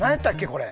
これ。